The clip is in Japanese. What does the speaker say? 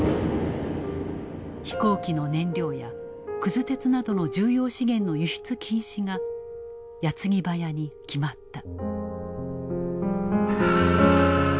飛行機の燃料やくず鉄などの重要資源の輸出禁止が矢継ぎ早に決まった。